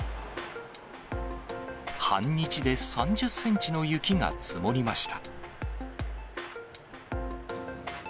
半日で３０センチの雪が積もりました。